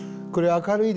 ・明るい。